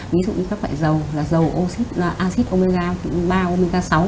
ví dụ như các loại dầu dầu acid omega ba omega sáu